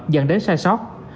dẫn đến sai sót